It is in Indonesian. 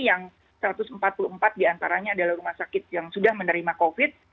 yang satu ratus empat puluh empat diantaranya adalah rumah sakit yang sudah menerima covid